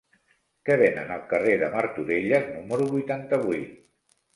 Què venen al carrer de Martorelles número vuitanta-vuit?